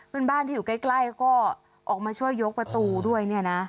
เพื่อนบ้านที่อยู่ใกล้ก็ออกมาช่วยยกประตูด้วยเนี่ยนะ